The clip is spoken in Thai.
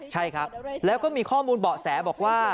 ใช่ครับแล้วก็มีข้อมูลเบาะแสบอกว่า